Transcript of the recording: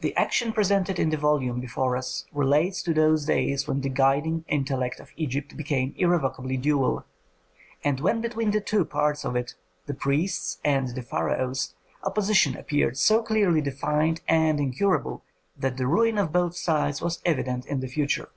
The action presented in the volume before us relates to those days when the guiding intellect of Egypt became irrevocably dual, and when between the two parts of it, the priests and the pharaohs, opposition appeared so clearly defined and incurable that the ruin of both sides was evident in the future.